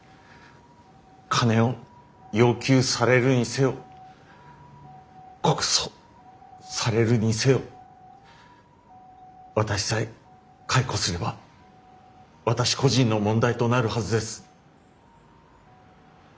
金を要求されるにせよ告訴されるにせよ私さえ解雇すれば私個人の問題となるはずです。